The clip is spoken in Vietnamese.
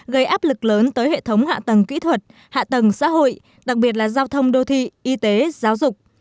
gây áp lực lớn tới hệ thống hạ tầng kỹ thuật hạ tầng xã hội đặc biệt là giao thông đô thị y tế giáo dục